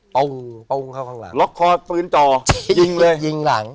ตุ้งปุ้งเข้าข้างหลังล็อกคอปืนจ่อยิงเลยยิงหลัง